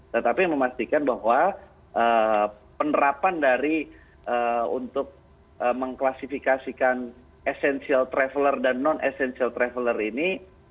tetapi memastikan bahwa penerapan dari untuk mengklasifikasikan essential traveler dan non essential traveler ini